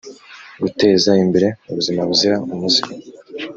guteza imbere ubuzima buzira umuze